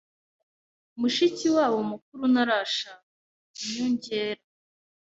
Mushiki wabo mukuru ntarashaka. inyongera